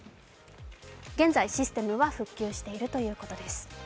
現在、システムは復旧しているということです。